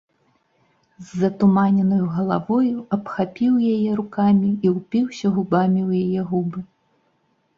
З затуманенаю галавою абхапіў яе рукамі і ўпіўся губамі ў яе губы.